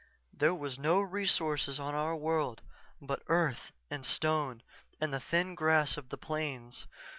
There were no resources on our world but earth and stone and the thin grass of the plains.